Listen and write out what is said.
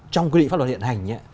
trong quy định pháp luật hiện hành